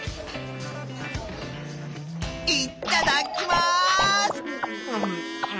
いっただきます！